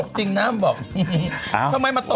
น่าจะทำอะไรนิดหน่อยแหละไม่เยอะหรอก